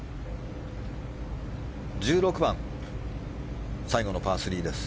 １６番最後のパー３です。